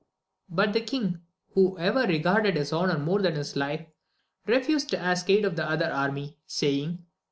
But the king, who ever regarded his honour more than his life, refused to ask aid of the other army, saying.